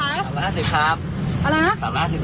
แท็กซี่ไม่กดมิตเตอร์เหรอคะก็คุยเข้ามาเพราะมิตเตอร์มันกลับแล้วมันติด